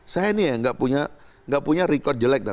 saya ini ya nggak punya record jelek